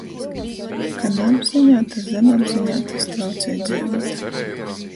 Ka na apziņā, to zemapziņā tys traucej dzeivuot.